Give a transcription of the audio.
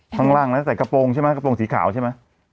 ข้างล่างแล้วใส่กระโปรงใช่มั้ยกระโปรงสีขาวใช่มั้ย